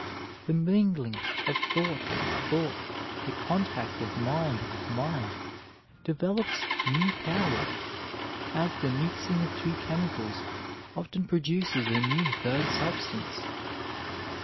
The mingling of thought with thought, the contact of mind with mind, develops new powers, as the mixing of two chemicals often produces a new third substance.